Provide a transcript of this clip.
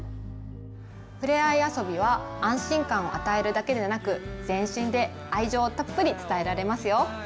ふれあい遊びは安心感を与えるだけでなく全身で愛情をたっぷり伝えられますよ。